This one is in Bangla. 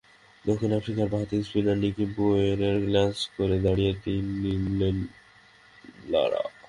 দক্ষিণ আফ্রিকান বাঁহাতি স্পিনার নিকি বোয়েকে গ্ল্যান্স করে দৌড়ে তিন নিলেন লারা।